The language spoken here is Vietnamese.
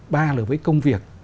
ba là với công việc